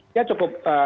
dia cukup tenang